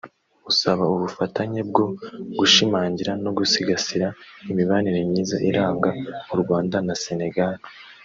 musaba ubufatanye bwo gushimangira no gusigasira imibanire myiza iranga u Rwanda na Sénégal